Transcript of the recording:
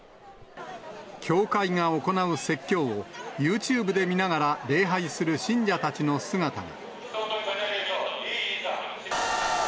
教会が行う説教をユーチューブで見ながら礼拝する信者たちの姿が。